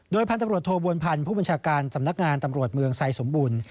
พันธุ์ตำรวจโทบวนพันธ์ผู้บัญชาการสำนักงานตำรวจเมืองไซสมบูรณ์